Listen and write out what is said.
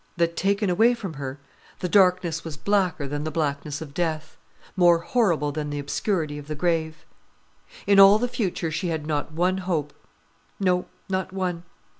That taken away from her, the darkness was blacker than the blackness of death; more horrible than the obscurity of the grave. In all the future she had not one hope: no, not one.